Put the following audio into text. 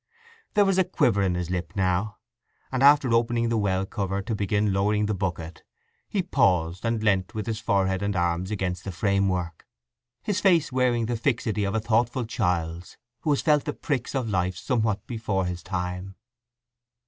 There was a quiver in his lip now and after opening the well cover to begin lowering the bucket he paused and leant with his forehead and arms against the framework, his face wearing the fixity of a thoughtful child's who has felt the pricks of life somewhat before his time.